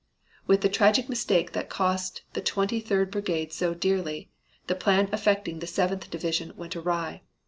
With the tragic mistake that cost the Twenty third Brigade so dearly, the plan affecting the Seventh Division went awry.